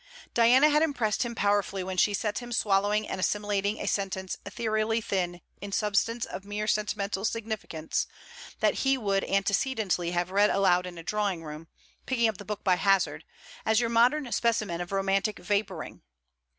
Diana had impressed him powerfully when she set him swallowing and assimilating a sentence ethereally thin in substance of mere sentimental significance, that he would antecedently have read aloud in a drawing room, picking up the book by hazard, as your modern specimen of romantic vapouring.